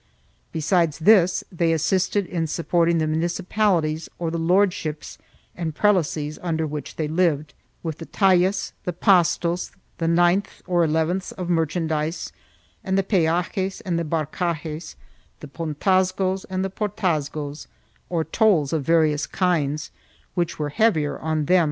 Besides this they assisted in supporting the municipalities or the lord ships and prelacies under which they lived, with the tallas, the pastos, the ninths or elevenths of merchandise and the peajes and barcajes, the pontazgos and portazgos, or tolls of various kinds 1 Marca Hispanica, p.